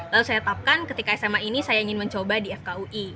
lalu saya tetapkan ketika sma ini saya ingin mencoba di fkui